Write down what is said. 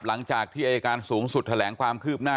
หลังจากที่อายการสูงสุดแถลงความคืบหน้า